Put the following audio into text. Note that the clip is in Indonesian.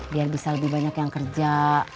biar bisa lebih banyak yang kerja